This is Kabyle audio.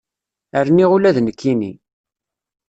Rniɣ ula d nekkini.